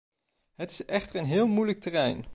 Het is echter een heel moeilijk terrein.